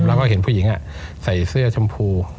แล้วก็เห็นผู้หญิงใส่เสื้อชมพู